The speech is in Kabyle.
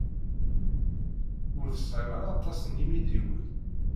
Ur tesɛim ara aṭas n yimidiwen.